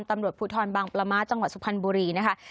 ตำรวจภูทรบางประม้าจังหวัดสุพรรณบุรีนะคะ